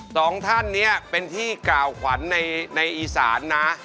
สองท่านนี้เป็นที่กล่าวขวัญในอีสานนะ